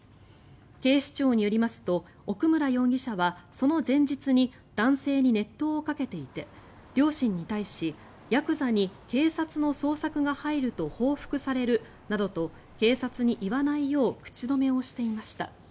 警視庁によりますと奥村容疑者は、その前日に男性に熱湯をかけていて両親に対しヤクザに警察の捜索が入ると報復されるなどと警察に言わないよう口止めをしていました。